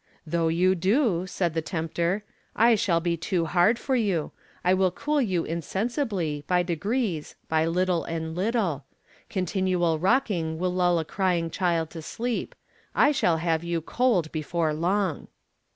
"Though you do," said the tempter, "I shall be too hard for you. I will cool you insensibly, by degrees, by little and little. Continual rocking will lull a crying child to sleep. I shall have you cold before long!"